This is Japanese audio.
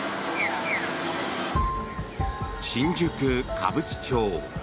新宿・歌舞伎町。